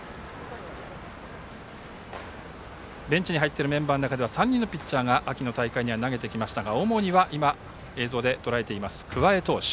ベンチに入っているメンバーの中では３人のピッチャーが秋の大会では投げてきましたが主には桑江投手。